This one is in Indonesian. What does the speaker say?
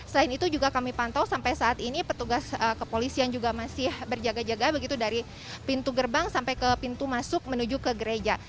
selain itu juga kami pantau sampai saat ini petugas kepolisian juga masih berjaga jaga begitu dari pintu gerbang sampai ke pintu masuk menuju ke gereja